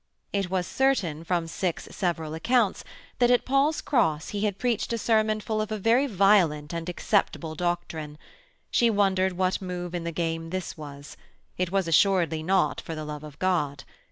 It was certain, from six several accounts, that at Paul's Cross he had preached a sermon full of a very violent and acceptable doctrine. She wondered what move in the game this was: it was assuredly not for the love of God.